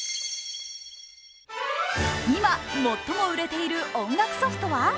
今、最も売れている音楽ソフトは？